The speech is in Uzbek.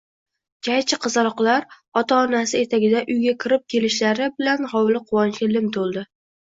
Jajji qizaloqlar ota-onasi etagida uyga kirib kelishlari bilan hovli quvonchga lim to`ldi